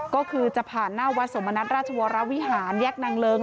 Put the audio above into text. ก็คือจะผ่านหน้าวัดสมณัฐราชวรวิหารแยกนางเลิ้ง